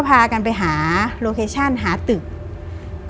พวกเราก็พลบไปหาตึก